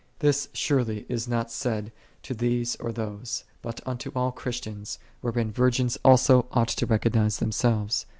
"1 This surely is not said unto these or those, but unto all Christians, wherein virgins also ought to recognize themselves.